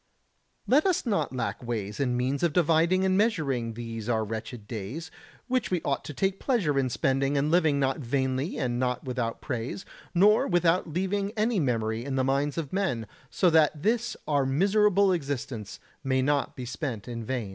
95. Let us not lack ways and means of dividing and measuring these our wretched days, which we ought to take pleasure in spending and living not vainly and not without praise, nor without leaving any memory in the minds of men, so that this our miserable existence may not be spent in vain.